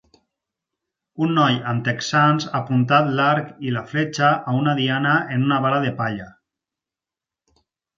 Un noi amb texans apuntat l'arc i la fletxa a una diana en una bala de palla